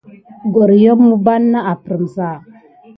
Goryom miɓanà aprisa ɗi nà na kaɗa kulin nà kinsé berinie.